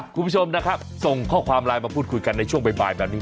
คุณผู้ชมนะครับส่งข้อความไลน์มาพูดคุยกันในช่วงบ่ายแบบนี้